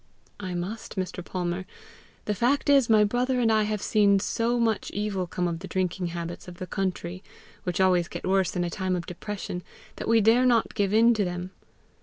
"I must, Mr. Palmer! The fact is, my brother and I have seen so much evil come of the drinking habits of the country, which always get worse in a time of depression, that we dare not give in to them.